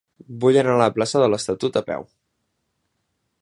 Vull anar a la plaça de l'Estatut a peu.